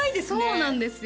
そうなんですよ